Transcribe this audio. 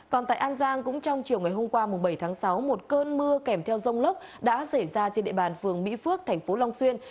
còn tại an giang cũng trong chiều ngày hôm qua bảy tháng sáu một cơn mưa kèm theo rông lốc đã xảy ra trên địa bàn phường mỹ phước thành phố long xuyên